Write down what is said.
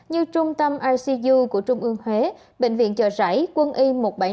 như trung tâm icu của trung ương huế bệnh viện chợ rẫy quân y một trăm bảy mươi năm